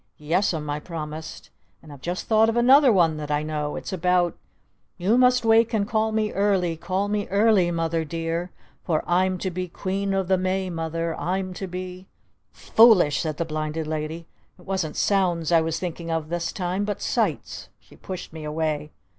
"Yes'm!" I promised. "And I've just thought of another one that I know! It's about You must wake and call me early, call me early, mother dear, For I'm to be Queen o' the May, mother, I'm to be " "Foolish!" said the Blinded Lady. "It wasn't sounds I was thinking of this time, but sights!" She pushed me away.